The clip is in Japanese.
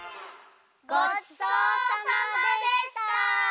ごちそうさまでした！